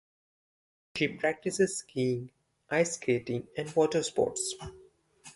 She practices skiing, ice-skating and water sports.